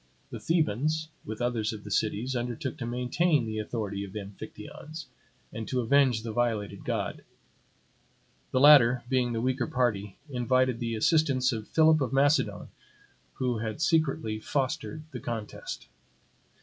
The Thebans, with others of the cities, undertook to maintain the authority of the Amphictyons, and to avenge the violated god. The latter, being the weaker party, invited the assistance of Philip of Macedon, who had secretly fostered the contest.